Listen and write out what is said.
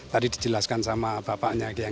tadi dijelaskan sama bapaknya